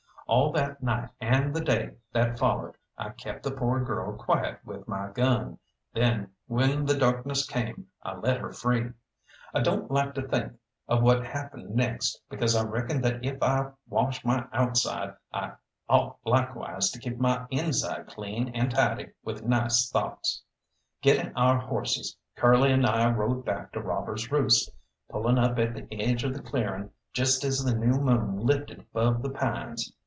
All that night and the day that followed I kept the poor girl quiet with my gun, then when the darkness came I let her free. I don't like to think of what happened next, because I reckon that if I wash my outside I ought likewise to keep my inside clean and tidy with nice thoughts. Getting our horses, Curly and I rode back to Robbers' Roost, pulling up at the edge of the clearing just as the new moon lifted above the pines.